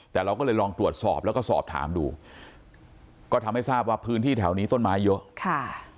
แต่เราก็เลยลองตรวจสอบแล้วก็สอบถามดูก็ทำให้ทราบว่าพื้นที่แถวนี้ต้นไม้เยอะค่ะ